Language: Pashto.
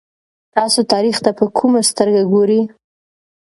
تاسو تاریخ ته په کومه سترګه ګورئ؟